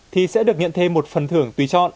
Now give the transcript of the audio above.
thì sẽ được nhận thêm một phần thưởng tùy chọn